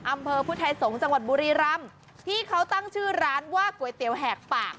อำเภอพุทธไทยสงศ์จังหวัดบุรีรำที่เขาตั้งชื่อร้านว่าก๋วยเตี๋ยวแหกปาก